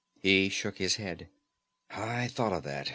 He shook his head. "I thought of that.